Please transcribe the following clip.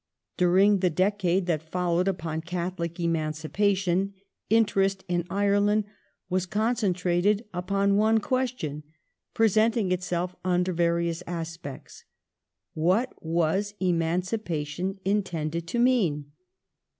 During the decade that followed upon Catholic emancipation interest in Ireland was concentrated upon one question — presenting itself under various aspects. What was '* emancipation " intended to mean